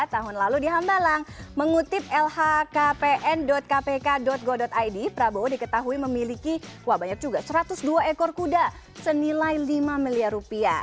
tahun lalu di hambalang mengutip lhkpn kpk go id prabowo diketahui memiliki wah banyak juga satu ratus dua ekor kuda senilai lima miliar rupiah